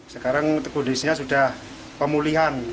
sekarang teguh disinya sudah pemulihan